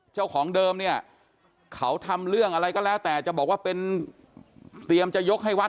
เจ้าของเดิมเนี่ยเขาทำเรื่องอะไรก็แล้วแต่จะบอกว่าเป็นเตรียมจะยกให้วัด